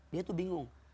dia tuh bingung